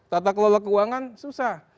tata kelola keuangan susah